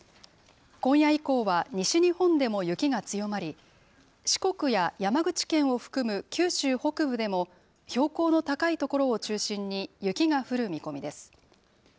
今夜以降は西日本でも雪が強まり、四国や山口県を含む九州北部でも、標高の高い所を中心に、雪が降る見込みです。